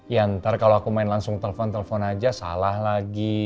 ya ntar kalau aku main langsung telpon telpon aja salah lagi